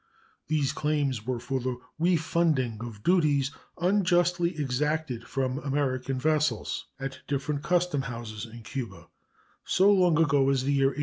These claims were for the refunding of duties unjustly exacted from American vessels at different custom houses in Cuba so long ago as the year 1844.